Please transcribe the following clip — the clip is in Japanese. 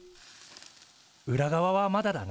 裏側はまだだね。